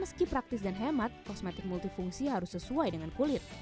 meski praktis dan hemat kosmetik multifungsi harus sesuai dengan kulit